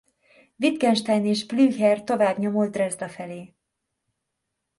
Wittgenstein és Blücher tovább nyomult Drezda felé.